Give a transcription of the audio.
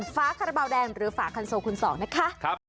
ฝาคาราบาลแดงหรือฝาคันโซคุณสองนะคะ